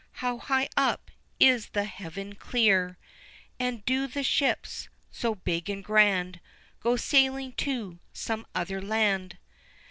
How high up is the heaven clear? And do the ships, so big and grand Go sailing to some other land?